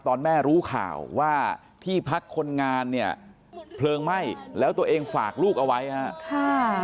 ตอนแม่รู้ข่าวว่าที่พักคนงานเนี่ยเพลิงไหม้แล้วตัวเองฝากลูกเอาไว้ครับ